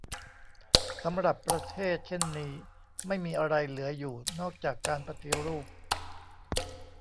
สำหรับประเทศเช่นนี้ไม่มีอะไรเหลืออยู่นอกจากการปฏิรูป